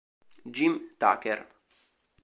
Jim Tucker